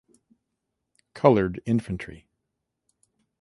Colored Infantry.